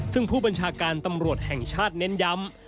ซึ่งผู้บัญชาการตำรวจแห่งชาติเน้นย้ำ